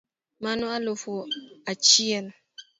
Mano alufu achiel